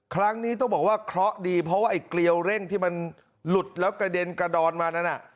ครั้งนี้ต้องบอกว่าเคราะห์ดีเพราะว่าไอ้เกลียวเร่งที่มันหลุดแล้วกระเด็นกระดอนมานั้น